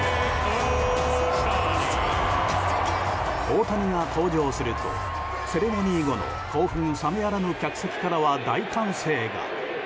大谷が登場するとセレモニー後の興奮冷めやらぬ客席からは大歓声が。